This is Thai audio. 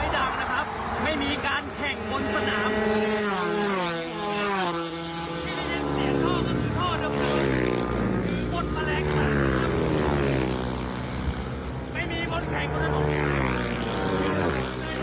อย่าไปนิเลสมันอย่าไปใส่ใจมันนะครับ